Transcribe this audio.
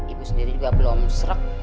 ibu sendiri juga belum serek